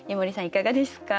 いかがですか？